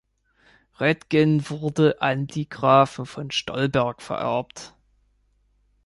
Rödgen wurde an die Grafen von Stolberg vererbt.